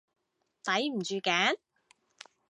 抵唔住頸？